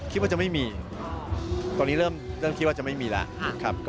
คิดว่าจะไม่มีตอนนี้เริ่มคิดว่าจะไม่มีแล้วครับ